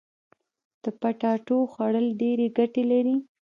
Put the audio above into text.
د پټاټو خوړل ډيري ګټي لري.